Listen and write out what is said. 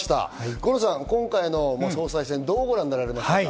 五郎さん、今回の総裁選、どうご覧になられましたか？